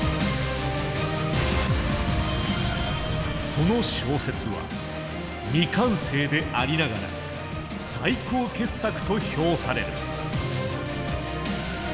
その小説は未完成でありながら最高傑作と評される。